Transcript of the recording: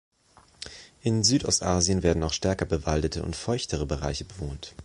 In Südostasien werden auch stärker bewaldete und feuchtere Bereiche bewohnt.